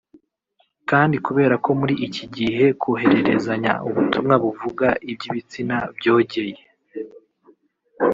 Kandi kubera ko muri iki gihe kohererezanya ubutumwa buvuga iby’ibitsina byogeye